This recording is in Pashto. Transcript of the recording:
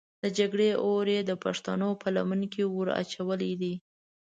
د جګړې اور یې د پښتنو په لمن کې ور اچولی دی.